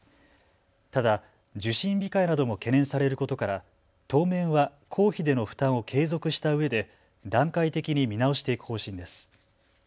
ただ受診控えなども懸念されることから当面は公費での負担を継続したうえで段階的に見直していく方針です。